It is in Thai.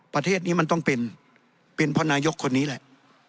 ประเทศนี้มันต้องเป็นเป็นเพราะนายกคนนี้แหละ